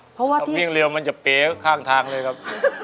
เพราะว่าวิ่งเร็วมันจะเป๋ข้างทางเลยครับ